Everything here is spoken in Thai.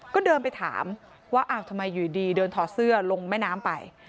ก็เดินไปถามว่าอ้าวทำไมอยู่ดีเดินถอดเสื้อลงแม่น้ำไป